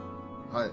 はい。